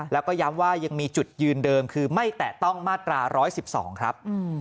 แล้วก็ย้ำว่ายังมีจุดยืนเดิมคือไม่แตะต้องมาตรา๑๑๒ครับ